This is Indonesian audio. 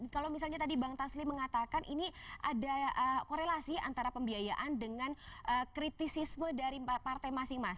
kalau misalnya tadi bang tasli mengatakan ini ada korelasi antara pembiayaan dengan kritisisme dari partai masing masing